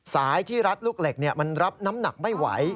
สายที่รัดลูกเหล็กมันรับน้ำหนักไม่ไหว